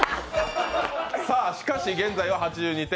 しかし現在は８２点。